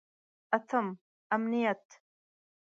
اتم: امنیت.